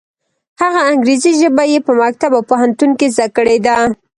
هغه انګریزي ژبه یې په مکتب او پوهنتون کې زده کړې ده.